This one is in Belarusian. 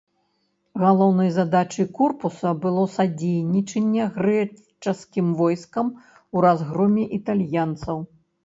Галоўнай задачай корпуса было садзейнічанне грэчаскім войскам у разгроме італьянцаў.